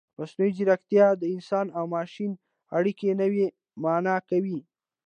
مصنوعي ځیرکتیا د انسان او ماشین اړیکه نوې مانا کوي.